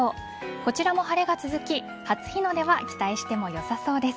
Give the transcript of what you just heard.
こちらも晴れが続き初日の出は期待してもよさそうです。